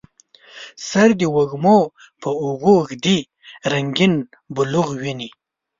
سر د وږمو په اوږو ږدي رنګیین بلوغ ویني